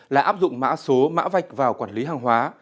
là áp dụng mã số mã vạch vào quản lý hàng hóa